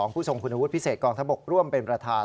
ผู้ส่งขุนอาวุธพิเศษกองทัพ๖ร่วมเป็นประธาน